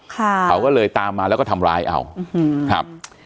เขาก็เลยตามมาแล้วก็ทำร้ายเอาอืมครับ